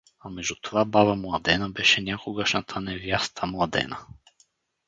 А между това баба Младена беше някогашната _невяста_ Младена!